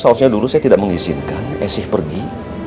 seharusnya dulu saya tidak mengizinkan esih pergi